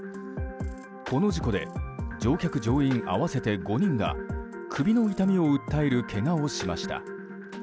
この事故で乗客・乗員合わせて５人が首の痛みを訴えるけがをしました。